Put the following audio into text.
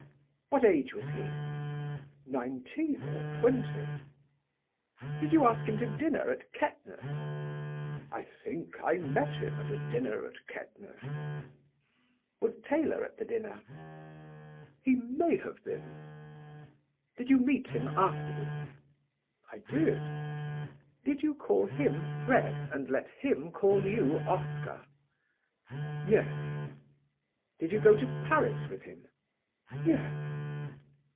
"What age was he?" "Nineteen or twenty." "Did you ask him to dinner at Kettner's?" "I think I met him at a dinner at Kettner's." "Was Taylor at the dinner?" "He may have been." "Did you meet him afterwards?" "I did." "Did you call him 'Fred' and let him call you 'Oscar'?" "Yes." "Did you go to Paris with him?" "Yes."